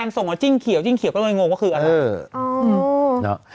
แฟนส่งมาจิ้งเขียวจิ้งเขียวก็เลยงงคืออะไรเออเออ